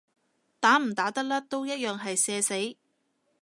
打唔打得甩都一樣係社死